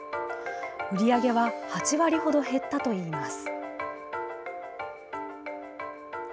売り上げは８割ほど減ったといいます。